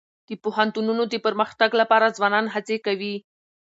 د پوهنتونونو د پرمختګ لپاره ځوانان هڅي کوي.